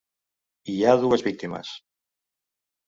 Hi ha dues víctimes.